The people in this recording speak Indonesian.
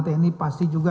teknik pasti juga